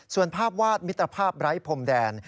ส่วนภาพวาดมิตรภาพไร้พรมแดน